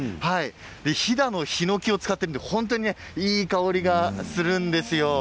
飛騨のヒノキを使っているので本当にいい香りがするんですよ。